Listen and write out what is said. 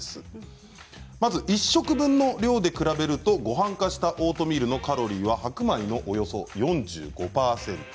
１食分の量で比べるとごはん化したオートミールのカロリーは白米のおよそ４５％。